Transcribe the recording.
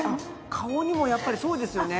顔にもやっぱりそうですよね。